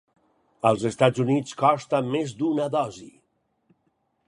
Als Estats Units costa més d'una dosi.